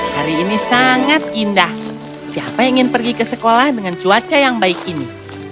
hari ini sangat indah siapa yang ingin pergi ke sekolah dengan cuaca yang baik ini